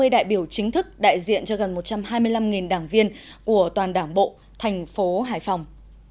năm mươi đại biểu chính thức đại diện cho gần một trăm hai mươi năm đảng viên của toàn đảng bộ thành phố hải phòng